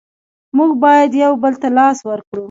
موږ باید یو بل ته لاس ورکړو.